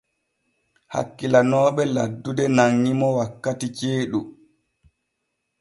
Hakkilanooɓe laddude nanŋi mo wakkati ceeɗu.